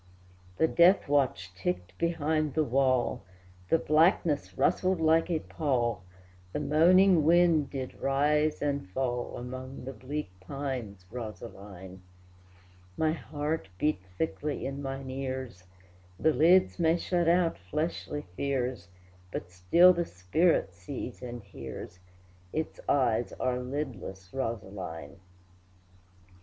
The death watch ticked behind the wall, The blackness rustled like a pall, The moaning wind did rise and fall Among the bleak pines, Rosaline! My heart beat thickly in mine ears; The lids may shut out fleshly fears, But still the spirit sees and hears, Its eyes are lidless, Rosaline!